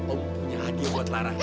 om punya hadiah buat lara